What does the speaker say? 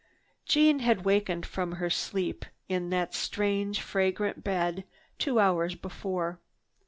Jeanne had wakened from her sleep in that strange, fragrant bed two hours before.